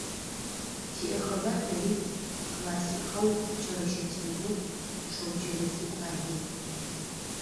Тиӏэхэба тэри классикхэу Кӏэрэщэ Тембот, Шэуджэнцӏыкӏу Алый…